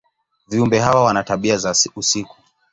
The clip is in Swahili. Viumbe hawa wana tabia za usiku.